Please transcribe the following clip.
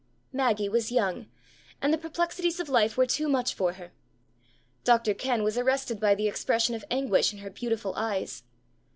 Maggie was young, and the perplexities of life were too much for her. Dr. Kenn was arrested by the expression of anguish in her beautiful eyes.